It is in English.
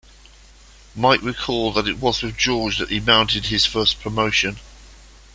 Mike recalled that it was with George that he mounted his first 'promotion'.